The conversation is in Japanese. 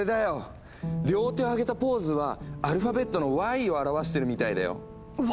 両手を上げたポーズはアルファベットの「Ｙ」を表してるみたいだよ。